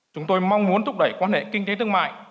chúng tôi mong muốn thúc đẩy quan hệ kinh tế thương mại